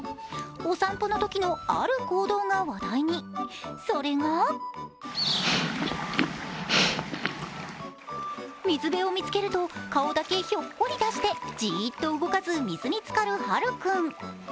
お散歩のときの、ある行動が話題にそれが水辺を見つけると、顔だけひょっこり出してじーっと動かず、水につかるハルくん。